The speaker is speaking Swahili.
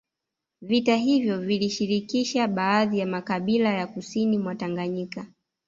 Vita hivyo vilishirikisha baadhi ya makabila ya kusini mwa Tanganyika